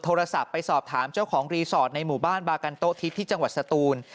โทรศัพท์ไปสอบถามเจ้าของรีสอร์ทในหมู่บ้านบากันโต๊ทิศที่จังหวัดสตูน